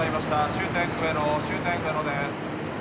終点上野終点上野です」